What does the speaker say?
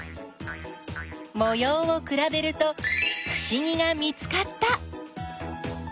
もようをくらべるとふしぎが見つかった！